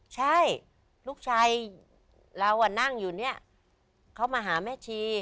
ใช่ลูกชายเรานั่งอยู่เนี่ยเขามาหาแม่ชี